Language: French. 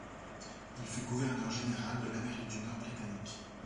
Il fut gouverneur général de l'Amérique du Nord britannique.